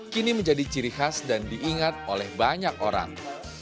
kini menjadi ciri khas dan diingat oleh banyak orang